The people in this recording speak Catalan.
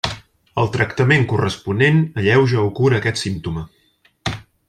El tractament corresponent alleuja o cura aquest símptoma.